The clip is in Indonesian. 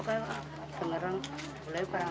kalo ngereng lebaran